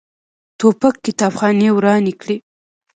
توپک کتابخانې ورانې کړي.